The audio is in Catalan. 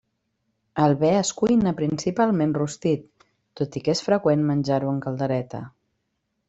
El be es cuina principalment rostit tot i que és freqüent menjar-ho en caldereta.